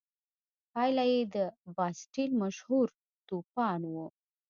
پایله یې د باسټیل مشهور توپان و.